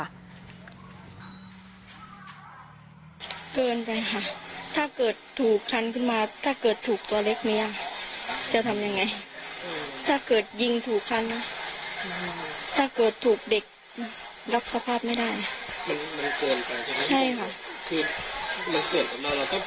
อาจจะเกิดผลกระทบที่มันเลวร้ายกว่าความบาดเจ็บป่ะค่ะ